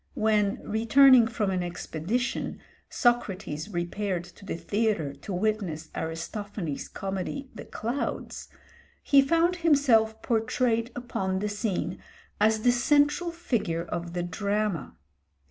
When, returning from an expedition, Socrates repaired to the theatre to witness Aristophanes' comedy 'The Clouds,' he found himself portrayed upon the scene as the central figure of the drama.